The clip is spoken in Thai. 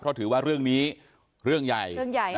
เพราะถือว่าเรื่องนี้เรื่องใหญ่